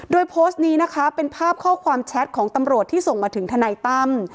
โดยโพสต์นี้นะคะเป็นภาพข้อความแชทของตำรวจที่ส่งมาถึงทนายตั้ม